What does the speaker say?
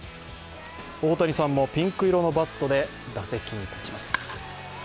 大谷さんもピンク色のバットで打席に立ちます。